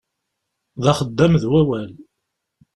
D axeddam d wawal.